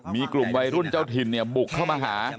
มีกลุ่มวัยรุ่นเจ้าถิ่นเนี่ยบุกเข้ามาหา